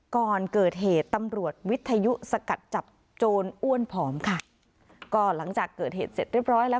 ก่อนเกิดเหตุตำรวจวิทยุสกัดจับโจรอ้วนผอมค่ะก็หลังจากเกิดเหตุเสร็จเรียบร้อยแล้ว